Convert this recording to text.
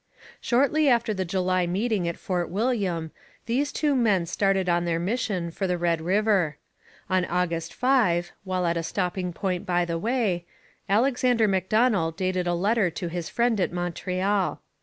Shortly after the July meeting at Fort William these two men started on their mission for the Red River. On August 5, while at a stopping point by the way, Alexander Macdonell dated a letter to a friend in Montreal.